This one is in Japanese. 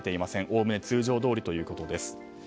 おおむね通常どおりということです。